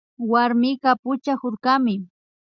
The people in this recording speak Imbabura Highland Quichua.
Warmika puchakurkami